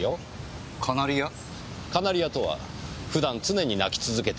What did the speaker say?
カナリアとは普段常に鳴き続けている鳥です。